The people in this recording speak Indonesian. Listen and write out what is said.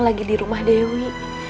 lagi di rumah dewi